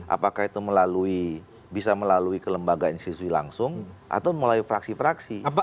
apakah itu bisa melalui ke lembaga institusi langsung atau melalui fraksi fraksi